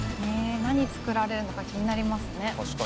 「何作られるのか気になりますね」